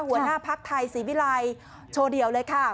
หัวหน้าภักดิ์ไทยศรีวิรัยโชว์เดี่ยวเลยค่ะ